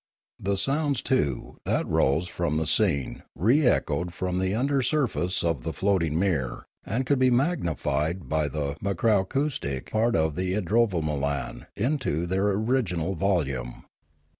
The sounds, too, that rose from the scene re echoed from the under surface of the float 192 Choktroo 193 ing mirror, and could be magnified by the makrakous tic part of the idrovamolan into their original volume.